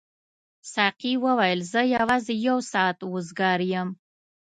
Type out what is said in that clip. ساقي وویل زه یوازې یو ساعت وزګار یم.